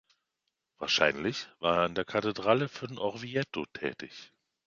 Wahrscheinlich war er an der Kathedrale von Orvieto tätig.